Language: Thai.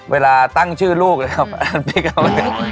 เวลาตั้งชื่อลูกเลยครับ